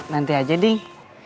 nanti aja deng